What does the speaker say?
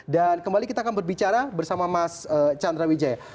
dan kembali kita akan berbicara bersama mas chandra wijaya